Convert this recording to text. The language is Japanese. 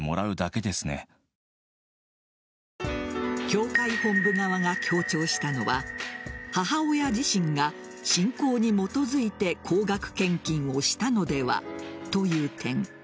教会本部側が強調したのは母親自身が信仰に基づいて高額献金をしたのではという点。